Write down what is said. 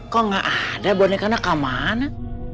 kok gak ada bonekanya kemana